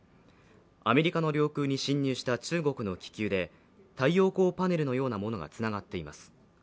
アメリカの領空に侵入した中国の気球で太陽光パネルのようなものがつながっています。